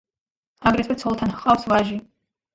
აგრეთვე ცოლთან ჰყავს ვაჟი.